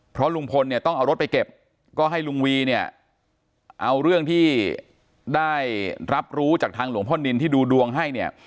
เพราะลุงพลเนี่ยต้องเอารถไปเก็บก็ให้ลุงวีเนี่ยเอาเรื่องที่ได้รับรู้จากทางหลวงพ่อนินที่ดูดวงให้เนี่ย